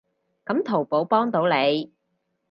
噉淘寶幫到你